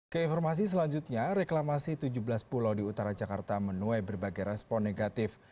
keinformasi selanjutnya reklamasi tujuh belas pulau di utara jakarta menuai berbagai respon negatif